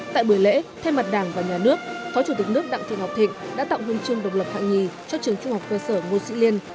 tại buổi lễ thay mặt đảng và nhà nước phó chủ tịch nước đặng thị ngọc thịnh đã tạo huân chương độc lập hạng nhì cho trường trung học cơ sở ngô sĩ liên